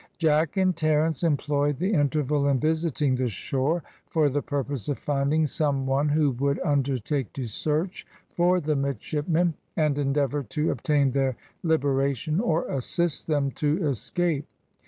Jack and Terence employed the interval in visiting the shore, for the purpose of finding some one who would undertake to search for the midshipmen, and endeavour to obtain their liberation or assist them to escape.